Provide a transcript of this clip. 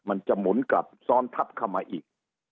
มันจะหมุนกลับซ้อนทับเข้ามาอีก